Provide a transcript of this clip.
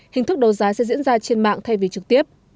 hình thức đấu giá sẽ diễn ra trên mạng thay vì trực tiếp